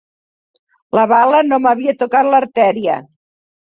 La bala no m'havia tocat l'artèria